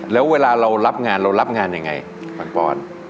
แล้วเวลาเรารับงานเรารับงานยังไงปังปอน